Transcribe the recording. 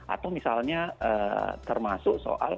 atau misalnya termasuk soal